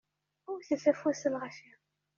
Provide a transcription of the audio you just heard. Wtet afus, a lɣaci!